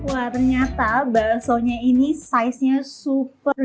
wah ternyata baksonya ini saiznya super